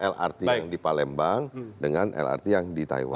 lrt yang di palembang dengan lrt yang di taiwan